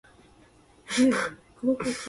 それでもまだ残っていましたから、